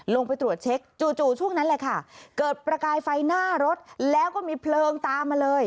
ลงไปตรวจเช็คจู่ช่วงนั้นแหละค่ะเกิดประกายไฟหน้ารถแล้วก็มีเพลิงตามมาเลย